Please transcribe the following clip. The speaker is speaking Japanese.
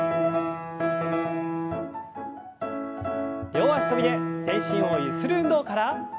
両脚跳びで全身をゆする運動から。